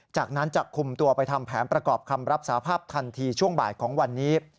จากนั้นจะคุมตัวไปทำแผนประกอบคำรับสาภาพทันทีช่วงบ่ายของวันนี้